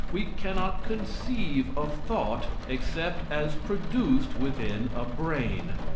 We cannot conceive of thought, except as produced within a brain.